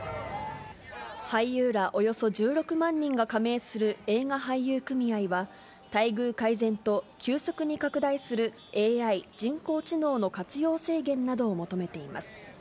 俳優らおよそ１６万人が加盟する映画俳優組合は、待遇改善と、急速に拡大するＡＩ・人工知能の活用制限などを求めています。